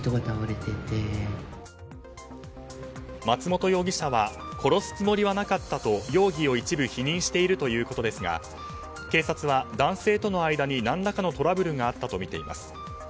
松元容疑者は殺すつもりはなかったと容疑を一部否認しているということですが警察は男性との間に何らかのトラブルがあったとみています。